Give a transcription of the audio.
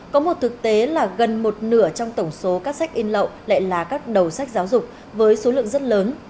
có một thực tế là gần một nửa trong tổng số các sách in lậu lại là các đầu sách giáo dục với số lượng rất lớn